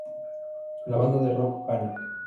La banda de Rock Panic!